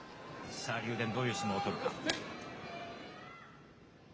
さあ、竜電、どういう相撲を取るか。